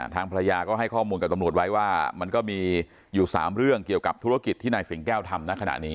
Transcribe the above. ทางภรรยาก็ให้ข้อมูลกับตำรวจไว้ว่ามันก็มีอยู่๓เรื่องเกี่ยวกับธุรกิจที่นายสิงแก้วทำในขณะนี้